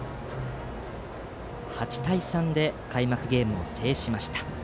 ８対３で開幕ゲームを制しました。